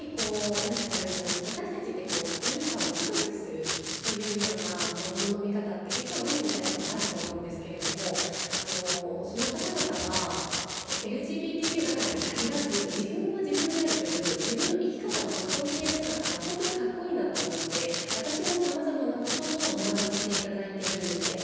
私たちって何かを区別するというようなものの見方って、結構何に対してもあると思うんですけれどもその方々はＬＧＢＴＱだからに限らず、自分は自分であるという自分の生き方を全うしている姿が本当にかっこいいなと思って私もさまざまなことを学ばせていただいているんですね。